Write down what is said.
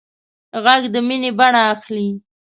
غږ د مینې بڼه اخلي